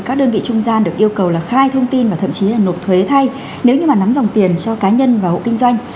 các đơn vị trung gian được yêu cầu là khai thông tin và thậm chí là nộp thuế thay nếu như mà nắm dòng tiền cho cá nhân và hộ kinh doanh